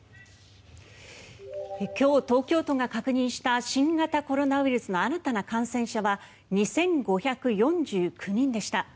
今日、東京都が確認した新型コロナウイルスの新たな感染者は２５４９人でした。